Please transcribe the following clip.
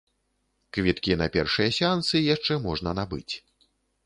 Квіткі на першыя сеансы яшчэ можна набыць.